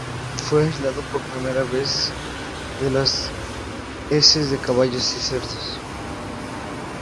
Fue aislado por primera vez de las heces de caballos y cerdos.